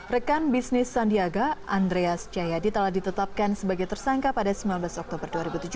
rekan bisnis sandiaga andreas jayadi telah ditetapkan sebagai tersangka pada sembilan belas oktober dua ribu tujuh belas